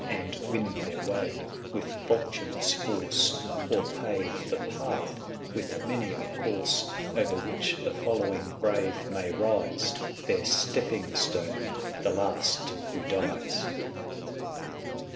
And win their way with falchions' force, Or pave the path with many a corse, O er which the following brave may rise, 195 Their stepping stone —the last who dies!